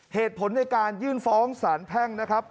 เหตุผลในการยื่นฟ้องสารแพ่งนะครับ